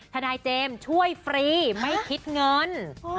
ทนายเจมส์ช่วยฟรีไม่คิดเงิน